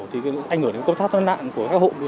thì ảnh hưởng đến công tác thoát nạn của các hộ